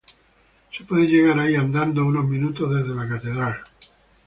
Se puede llegar ahí andando unos minutos desde la Catedral.